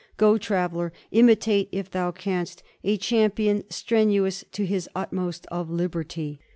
Go, traveller, imitate if thou canst a champion, strenuous to his uttermost, of liberty."